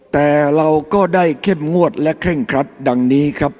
แต่เราก็ได้เข้มงวดและเคร่งครัดดังนี้ครับ